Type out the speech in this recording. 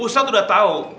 ustadz udah tau